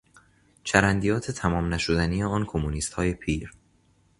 چرندیات تمام نشدنی آن کمونیستهای پیر